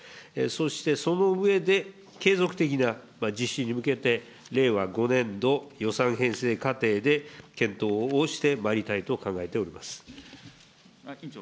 そしてその上で、継続的な実施に向けて、令和５年度予算編成過程で検討をしてまいりたいと考えております。